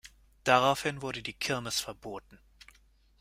Daraufhin wurde die Kirmes verboten.